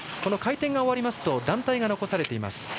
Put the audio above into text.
回転が終わりますと団体が残されています。